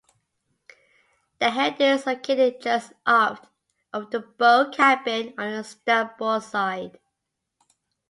The head is located just aft of the bow cabin on the starboard side.